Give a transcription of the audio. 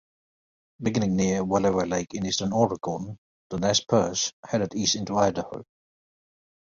Beginning near Wallowa Lake in eastern Oregon, the Nez Perce headed east into Idaho.